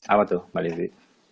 apa tuh mbak lizzy